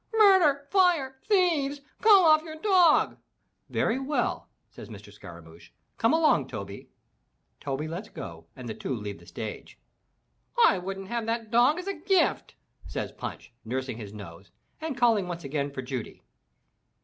"Murder! Fire! Thieves! Call ofif your dog!*' "Very well," says Mr. Scaramouch, "come along, Toby!" Toby lets go and the two leave the stage. "I wouldn't have that dog as a gift," says Punch, nursing his nose and calling once again for Judy.